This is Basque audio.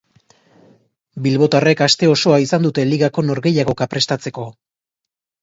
Bilbotarrek aste osoa izan dute ligako norgehiagoka prestatzeko.